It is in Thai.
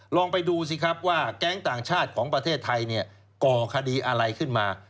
ลองไปดูว่าแก๊งต่างชาติของประเทศไทยก่อคดีอะไรขึ้นมา